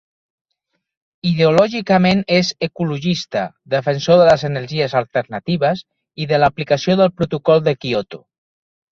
Ideològicament és ecologista, defensor de les energies alternatives i de l'aplicació del protocol de Kyoto.